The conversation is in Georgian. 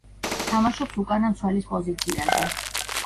თამაშობს უკანა მცველის პოზიციაზე.